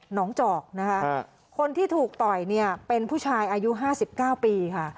หนองจอกนะฮะคนที่ถูกต่อยเนี้ยเป็นผู้ชายอายุห้าสิบเก้าปีค่ะ